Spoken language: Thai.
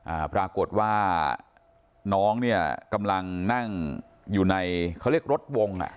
อ่าปรากฏว่าน้องเนี่ยกำลังนั่งอยู่ในเขาเรียกรถวงอ่ะ